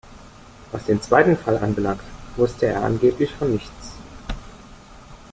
Was den zweiten Fall anbelangt, wusste er angeblich von nichts.